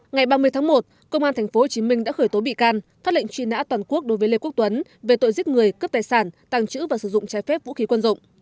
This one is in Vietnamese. ngày ba mươi tháng một công an tp hcm đã khởi tố bị can phát lệnh truy nã toàn quốc đối với lê quốc tuấn về tội giết người cướp tài sản tàng trữ và sử dụng trái phép vũ khí quân dụng